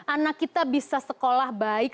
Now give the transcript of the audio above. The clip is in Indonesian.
anak kita bisa sekolah baik